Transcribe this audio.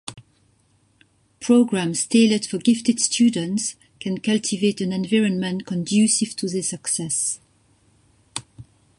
Programs tailored for gifted students can cultivate an environment conducive to their success.